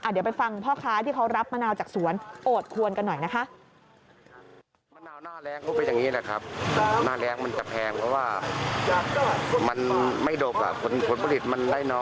เดี๋ยวไปฟังพ่อค้าที่เขารับมะนาวจากสวนโอดควรกันหน่อยนะคะ